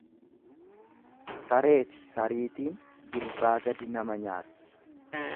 Sareefi sariitiin jilbaa gadi nama nyaatti.